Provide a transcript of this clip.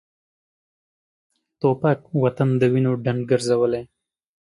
توپک وطن د وینو ډنډ ګرځولی.